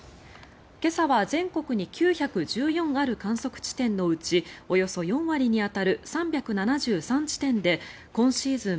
今朝は全国に９１４ある観測地点のうちおよそ４割に当たる３７３地点で今シーズン